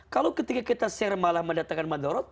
kalau ketika kita share malah mendatangkan madhorat